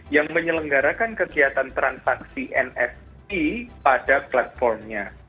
yang menyelenggarakan kegiatan transaksi nft pada platformnya